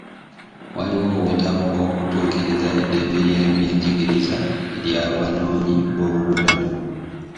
Waliwo obwetaavu bw'okutuukiriza eddembe ly'ebyenjigiriza ery'abanoonyi boobubudamu.